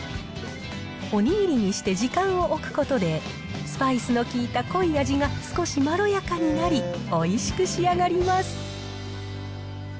お握りにして時間を置くことで、スパイスの効いた濃い味が少しまろやかになり、おいしく仕上がります。